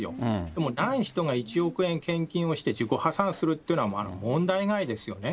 でもない人が１億円献金をして自己破産するというのは、問題外ですよね。